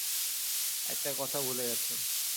একটা কথা ভুলে গেছ।